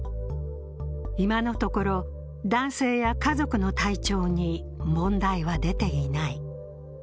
今のところ、男性や家族の体調に問題は出ていない。